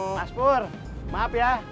mas pur maaf ya